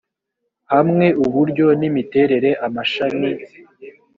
hamwe uburyo n imiterere amashami